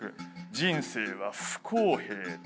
人生は不公平だ。